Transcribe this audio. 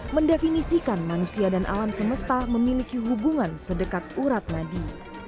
mendefinisikan manusia dan alam semesta memiliki hubungan sedekat urat nadi